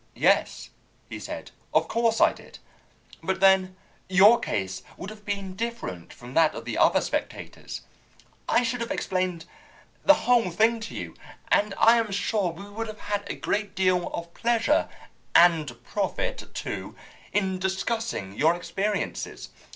"Yes," he said, "of course I did. But then your case would have been different from that of the other spectators: I should have explained the whole thing to you, and I am sure we would have had a great deal of pleasure, and profit too, in discussing your experiences.